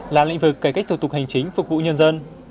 là lĩnh vực cải cách thủ tục hành chính phục vụ nhân dân